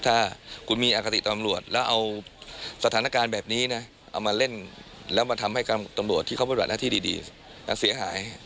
ถ้าคุณมีอคติตำรวจแล้วเอาสถานการณ์แบบนี้นะเอามาเล่นแล้วมาทำให้ตำรวจที่เขาปฏิบัติหน้าที่ดีเสียหาย